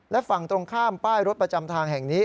และฝั่งตรงข้ามป้ายรถประจำทางแห่งนี้